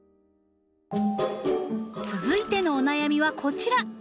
続いてのお悩みはこちら。